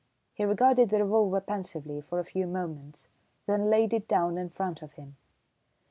He regarded the revolver pensively for a few moments, then laid it down in front of him.